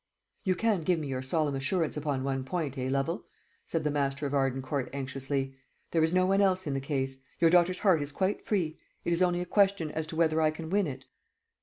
"You can give me your solemn assurance upon one point, eh, Lovel?" said the master of Arden Court anxiously; "there is no one else in the case? Your daughter's heart is quite free? It is only a question as to whether I can win it?"